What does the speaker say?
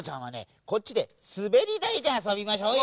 こっちですべりだいであそびましょうよ。